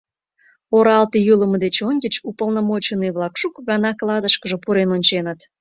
Оралте йӱлымӧ деч ончыч уполномоченный-влак шуко гана клатышкыже пурен онченыт.